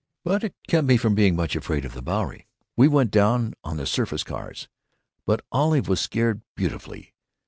But it kept me from being very much afraid of the Bowery (we went down on the surface cars), but Olive was scared beautifully.